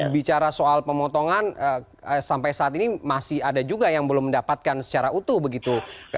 bicara soal pemotongan sampai saat ini masih ada juga yang belum mendapatkan secara utuh begitu